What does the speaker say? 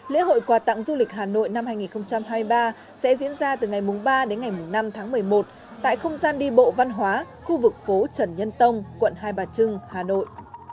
lễ hội quà tặng du lịch hà nội năm hai nghìn hai mươi ba sẽ diễn ra từ ngày ba đến ngày năm tháng một mươi một tại không gian đi bộ văn hóa khu vực phố trần nhân tông quận hai bà trưng hà nội